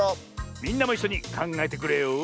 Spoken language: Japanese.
みんなもいっしょにかんがえてくれよ！